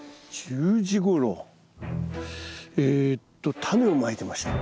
１０時ごろえっとタネをまいてました。